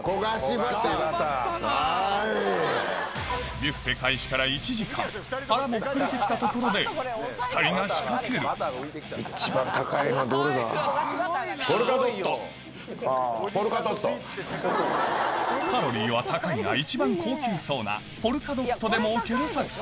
ビュッフェ開始から腹も膨れてきたところで２人が仕掛けるカロリーは高いが一番高級そうなポルカドットでもうける作戦